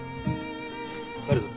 帰るぞ。